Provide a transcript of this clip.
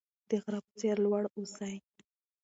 د غره په څیر لوړ اوسئ.